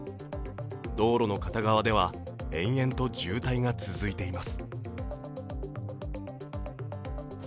道路の片側では延々と渋滞が続いています。